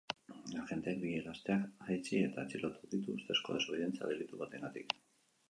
Agenteek bi gazteak jaitsi eta atxilotu ditu ustezko desobedientzia delitu batengatik.